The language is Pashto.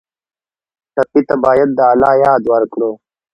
ټپي ته باید د الله یاد ورکړو.